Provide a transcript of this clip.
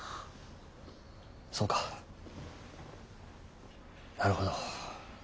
そうかなるほど。